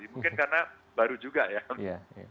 mungkin karena baru juga ya